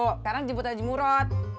sekarang jemput haji murot